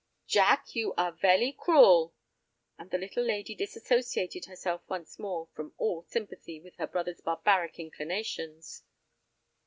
"Jack, you are velly cruel," and the little lady disassociated herself once more from all sympathy with her brother's barbaric inclinations.